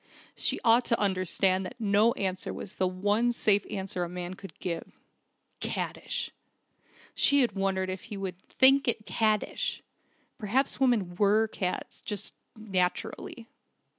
She ought to understand that no answer was the one safe answer a man could give ... "Caddish!" ... She had wondered if he would "think it caddish!" Perhaps women were cads just naturally.